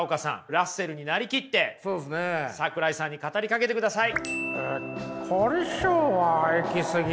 ラッセルに成りきって桜井さんに語りかけてください。